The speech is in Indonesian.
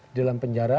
di dalam penjara